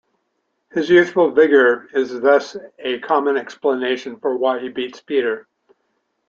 His youthful vigour is thus a common explanation for why he beats Peter.